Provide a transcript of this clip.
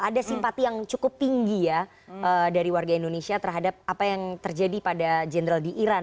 ada simpati yang cukup tinggi ya dari warga indonesia terhadap apa yang terjadi pada jenderal di iran